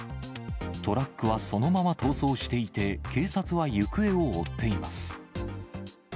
トラックはそのまま逃走していて、警察は行方を追っています。